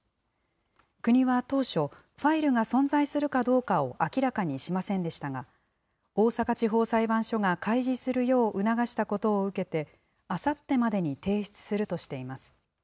国は当初、ファイルが存在するかどうかを明らかにしませんでしたが、大阪地方裁判所が開示するよう促したことを受けて、あさってまでに提出するとしています。